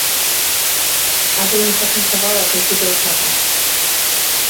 Але не пашанцавала толькі дзяўчатам.